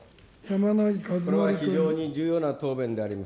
これは非常に重要な答弁であります。